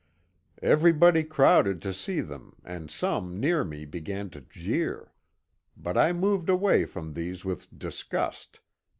Everybody crowded to see them, and some near me began to jeer ; but I moved away from these with disgust.